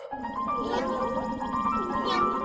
えっ？